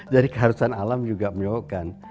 jadi keharusan alam juga menyokong